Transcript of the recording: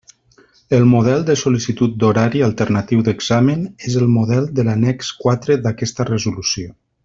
El model de sol·licitud d'horari alternatiu d'examen és el model de l'annex quatre d'aquesta resolució.